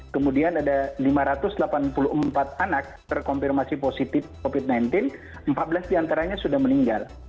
kemudian ada lima ratus delapan puluh empat anak terkonfirmasi positif covid sembilan belas empat belas diantaranya sudah meninggal